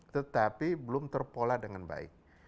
tetapi belum terpola dengan baik